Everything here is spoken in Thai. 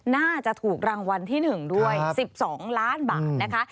น่าจะถูกรางวัลที่๑ด้วย๑๒ล้านบาทนะคะ